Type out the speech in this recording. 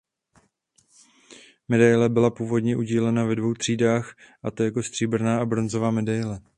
Medaile byla původně udílena ve dvou třídách a to jako stříbrná a bronzová medaile.